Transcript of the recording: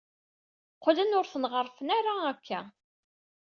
Qqlen ur ten-ɣerrfen ara akka.